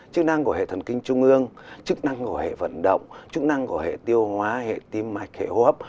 chức năng của hệ thần kinh trung ương chức năng của hệ vận động chức năng của hệ tiêu hóa hệ tim mạch hệ hô hấp